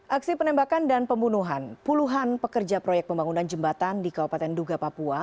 aksi penembakan dan pembunuhan puluhan pekerja proyek pembangunan jembatan di kabupaten duga papua